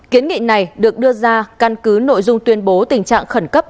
kiến nghị này được đưa ra căn cứ nội dung tuyên bố tình trạng khẩn cấp